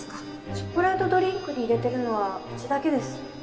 チョコレートドリンクに入れてるのはうちだけです。